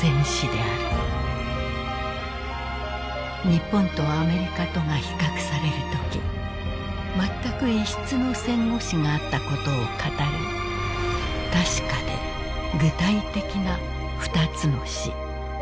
「日本とアメリカとが比較されるときまったく異質の戦後史があったことを語るたしかで具体的な二つの死」。